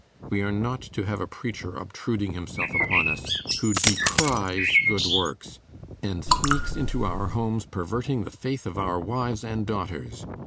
We are not to have a preacher obtruding himself upon us, who decries good works, and sneaks into our homes perverting the faith of our wives and daughters!